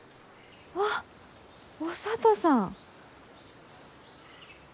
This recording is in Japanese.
あっお聡さん。